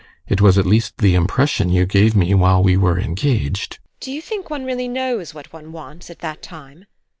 It was at least the impression you gave me while we were engaged. TEKLA. Do you think one really knows what one wants at that time?